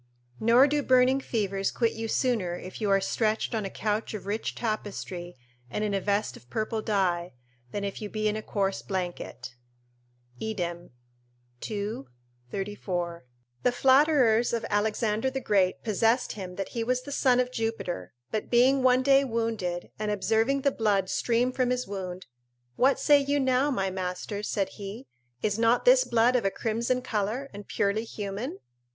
["Nor do burning fevers quit you sooner if you are stretched on a couch of rich tapestry and in a vest of purple dye, than if you be in a coarse blanket." Idem, ii. 34.] The flatterers of Alexander the Great possessed him that he was the son of Jupiter; but being one day wounded, and observing the blood stream from his wound: "What say you now, my masters," said he, "is not this blood of a crimson colour and purely human?